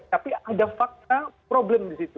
tapi ada fakta problem di situ